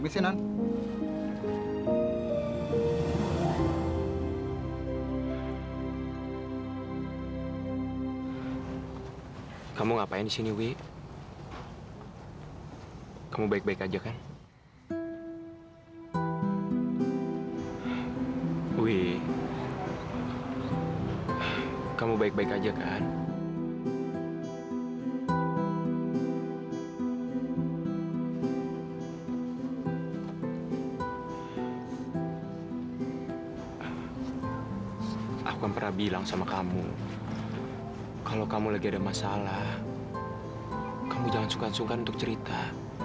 sampai jumpa di video selanjutnya